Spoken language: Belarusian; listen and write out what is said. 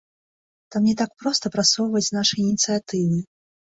Там не так проста прасоўваць нашы ініцыятывы.